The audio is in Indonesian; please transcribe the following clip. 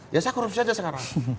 ya saya korupsi aja sekarang